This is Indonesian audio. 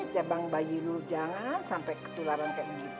jabang bayi lu jangan sampai ketularan kaya gitu